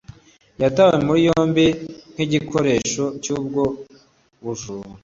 Yatawe muri yombi nk'igikoresho cy’ubwo bujura.